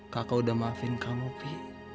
kakak udah maafin kamu py